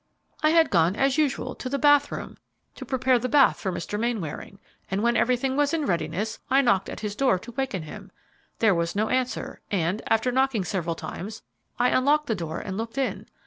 "I had gone as usual to the bath room to prepare the bath for Mr. Mainwaring, and when everything was in readiness I knocked at his door to waken him. There was no answer, and, after knocking several times, I unlocked the door and looked in.